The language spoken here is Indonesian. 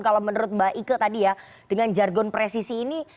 kalau menurut mbak ike tadi ya dengan jargon presisi ini